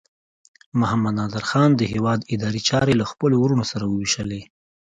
محمد نادر خان د هیواد اداري چارې له خپلو وروڼو سره وویشلې.